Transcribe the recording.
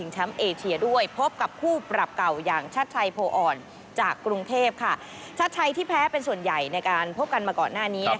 ชัดชัยที่แพ้เป็นส่วนใหญ่ในการพบกันมาก่อนหน้านี้